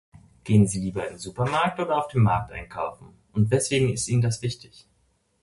Gehen Sie lieber im Supermarkt oder auf dem Markt einkaufen und weswegen ist Ihnen das wichtig?